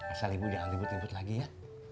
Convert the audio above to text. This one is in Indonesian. asal ibu jangan dibut but lagi ya